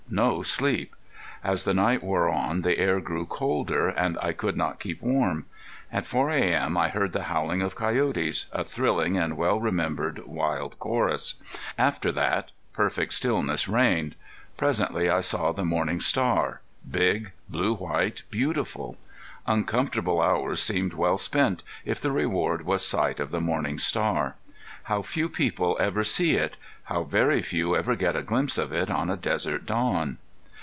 No sleep! As the night wore on the air grew colder, and I could not keep warm. At four a.m. I heard the howling of coyotes a thrilling and well remembered wild chorus. After that perfect stillness reigned. Presently I saw the morning star big, blue white, beautiful. Uncomfortable hours seemed well spent if the reward was sight of the morning star. How few people ever see it! How very few ever get a glimpse of it on a desert dawn!